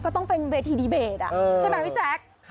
ต้องเป็นเวทีดีเบตใช่ไหมพี่แจ๊ค